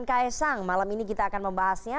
ks sang malam ini kita akan membahasnya